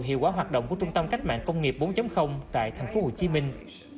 hiệu quả hoạt động của trung tâm cách mạng công nghiệp bốn tại thành phố hồ chí minh